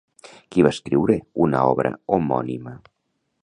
Qui va escriure una obra homònima?